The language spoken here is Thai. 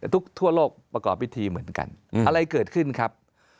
ทั่วโลกประกอบพิธีเหมือนกันอะไรเกิดขึ้นครับ